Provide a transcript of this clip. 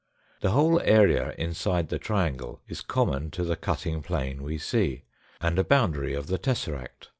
The whole area inside the triangle is common to the cutting plane we see, and a boundary of the tesseract.